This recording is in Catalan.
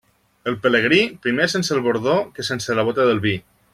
El pelegrí, primer sense el bordó que sense la bóta del vi.